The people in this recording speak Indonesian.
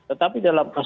tetapi dalam kasus